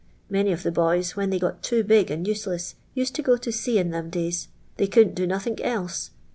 Many of the boys, when they got too big and useless, used to go to sea in them, days — they couldn't do nothink else.